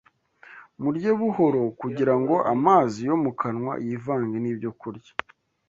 Murye buhoro kugira ngo amazi yo mu kanwa yivange n’ibyokurya